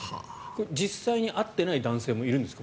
実際に会ってない男性もいるんですか。